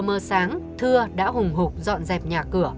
ngay sau khi trời vừa lờ mơ sáng thưa đã hùng hục dọn dẹp nhà cửa